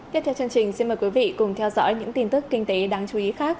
tiếp theo chương trình xin mời quý vị cùng theo dõi những tin tức kinh tế đáng chú ý khác